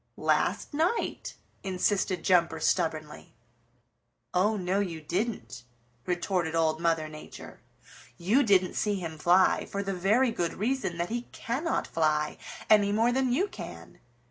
"Last night," insisted Jumper stubbornly. "Oh, no, you didn't," retorted Old Mother Nature. "You didn't see him fly, for the very good reason that he cannot fly any more than you can.